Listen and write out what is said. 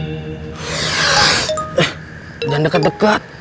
eh jangan dekat dekat